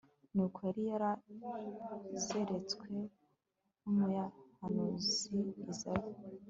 nk'uko yari yarazeretswe n'umuhanuzi izay